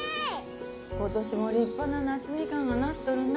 今年も立派な夏ミカンがなっとるな。